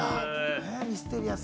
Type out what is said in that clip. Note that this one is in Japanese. ミステリアス！